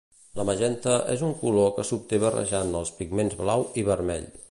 El magenta és un color que s'obté barrejant els pigments blau i vermell.